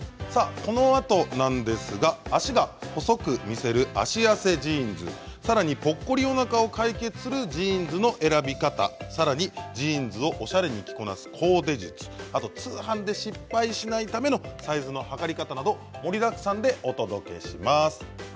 このあとなんですが脚が細く見える脚痩せジーンズぽっこりおなかを解決するジーンズの選び方さらにジーンズをおしゃれに着こなすコーデ術通販で失敗しないためのサイズの測り方など盛りだくさんでお届けします。